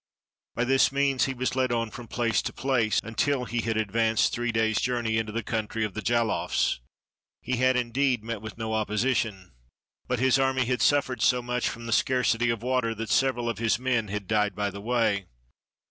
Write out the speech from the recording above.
By this means he v/as led on from place to place, until he had advanced three days' jour 375 WESTERN AND CENTRAL AFRICA ney into the country of the Jaloffs. He had, indeed, met with no opposition, but his army had suffered so much from the scarcity of water that several of his men had died by the way.